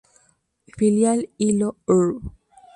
Filial Ilo: Urb.